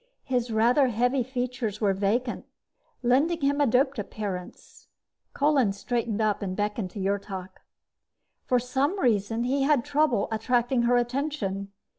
His rather heavy features were vacant, lending him a doped appearance. Kolin straightened up and beckoned to Yrtok. For some reason, he had trouble attracting her attention.